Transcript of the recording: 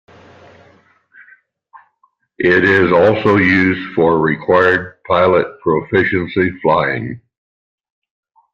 It is also used for required pilot proficiency flying.